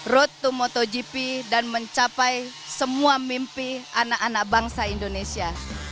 road to motogp dan mencapai semua mimpi anak anak bangsa indonesia